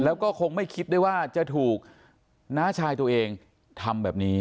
แล้วก็คงไม่คิดได้ว่าจะถูกน้าชายตัวเองทำแบบนี้